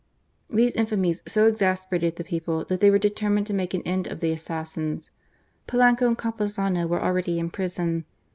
These infamies so exasperated the people that they were determined to make an end of the assassins. Polanco and Campuzano were already in prison.